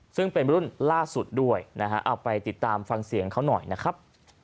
ซึ่งเป็นรุ่นล่าสุดด้วยนะฮะเอาไปติดตามฟังเสียงเขาหน่อยนะครับ